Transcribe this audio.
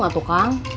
gak tuh kang